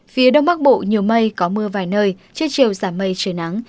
phía đông bắc bộ nhiều mây có mưa vài nơi chưa chiều giảm mây trời nắng